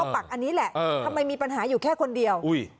ก็ปักอันนี้แหละเออเออทำไมมีปัญหาอยู่แค่คนเดียวอุ้ย